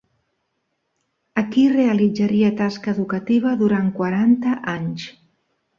Aquí realitzaria tasca educativa durant quaranta anys.